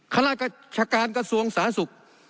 ข้าราชการกระทรวงสาธารณสุข